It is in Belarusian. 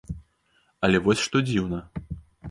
Але вось што дзіўна!